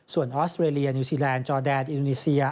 ส่วนออสเตรเลียนิวซีแลนดจอแดนอินโดนีเซีย